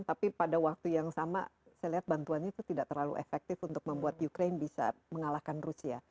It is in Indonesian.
tapi pada waktu yang sama saya lihat bantuannya itu tidak terlalu efektif untuk membuat ukraine bisa mengalahkan rusia